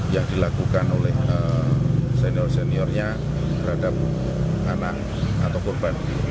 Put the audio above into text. yang dilakukan oleh senior seniornya terhadap anak atau korban